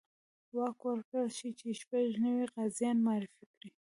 واک ورکړل شي چې شپږ نوي قاضیان معرفي کړي.